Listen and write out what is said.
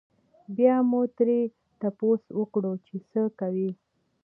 بيا مو ترې تپوس وکړو چې څۀ کوئ؟